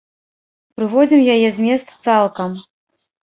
Прыводзім яе змест цалкам.